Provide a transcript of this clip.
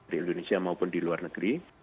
di indonesia maupun di luar negeri